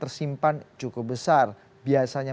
tersimpan cukup besar biasanya